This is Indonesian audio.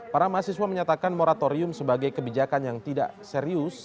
para mahasiswa menyatakan moratorium sebagai kebijakan yang tidak serius